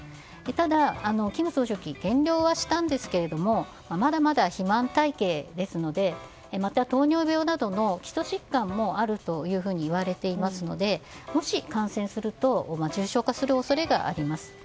ただ、金総書記減量はしたんですけどまだまだ肥満体形ですのでまた糖尿病などの基礎疾患もあるといわれていますのでもし、感染すると重症化する恐れがあります。